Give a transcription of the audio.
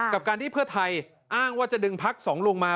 กับการที่เพื่อไทยอ้างว่าจะดึงพักสองลุงมา